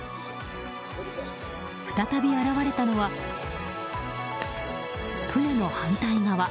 再び現れたのは船の反対側。